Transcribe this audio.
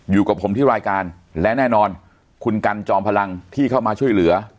อยู่กับผมที่รายการและแน่นอนคุณกันจอมพลังที่เข้ามาช่วยเหลือ